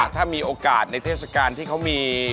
ถ้ามีโอกาสในเทศกาลที่เขามี